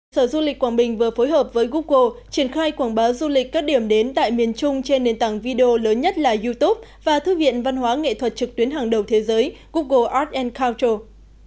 sở du lịch quảng bình vừa phối hợp với google triển khai quảng bá du lịch các điểm đến tại miền trung trên nền tảng video lớn nhất là youtube và thư viện văn hóa nghệ thuật trực tuyến hàng đầu thế giới google arts culture